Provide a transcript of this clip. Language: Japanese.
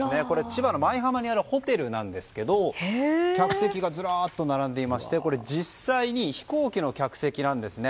千葉の舞浜にあるホテルなんですが客席がずらっと並んでいまして実際に飛行機の客席なんです。